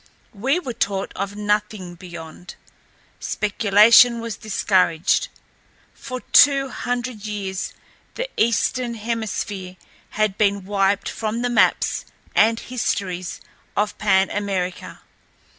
We were taught of nothing beyond. Speculation was discouraged. For two hundred years the Eastern Hemisphere had been wiped from the maps and histories of Pan America.